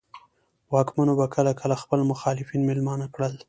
واکمنو به کله کله خپل مخالفان مېلمانه کړل.